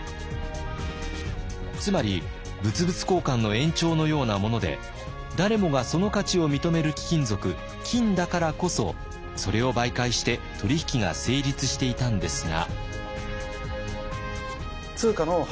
つまり物々交換の延長のようなもので誰もがその価値を認める貴金属金だからこそそれを媒介して取引が成立していたんですが。